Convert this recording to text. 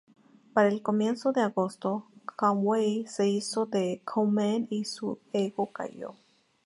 Para el comienzo de agosto, Conway se hizo the Con-man y su ego cayó.